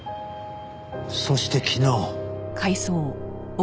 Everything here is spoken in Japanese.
そして昨日。